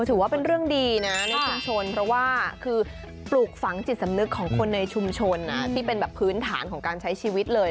ถือว่าเป็นเรื่องดีนะในชุมชนเพราะว่าคือปลูกฝังจิตสำนึกของคนในชุมชนที่เป็นแบบพื้นฐานของการใช้ชีวิตเลย